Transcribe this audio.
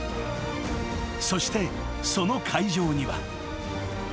［そしてその会場には］